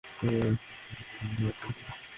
এবং যেটা দ্রুত মাতাল করবে।